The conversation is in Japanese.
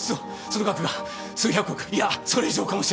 その額が数百億いやそれ以上かもしれないと。